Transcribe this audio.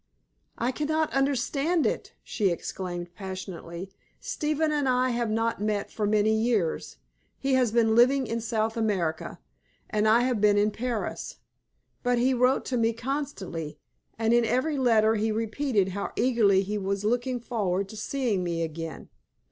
"I cannot understand it!" she exclaimed, passionately. "Stephen and I have not met for many years he has been living in South America, and I have been in Paris but he wrote to me constantly, and in every letter he repeated how eagerly he was looking forward to seeing me again.